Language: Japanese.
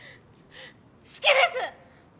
好きです！